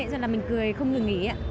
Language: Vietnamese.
cho nên là mình cười không ngừng nghỉ